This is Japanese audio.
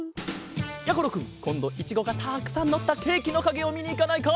やころくんこんどいちごがたくさんのったケーキのかげをみにいかないか？